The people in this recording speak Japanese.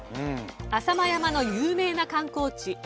浅間山の有名な観光地